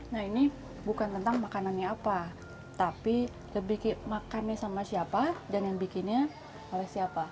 nah ini bukan tentang makanannya apa tapi lebih makannya sama siapa dan yang bikinnya oleh siapa